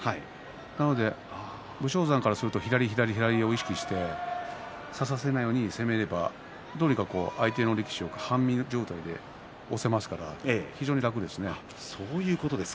なので武将山からすると左、左を意識して差させないように攻めることができればと、どうにか相手の力士を半身状態にして押すことができます。